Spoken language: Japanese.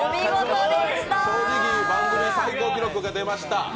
番組の最高記録が出ました。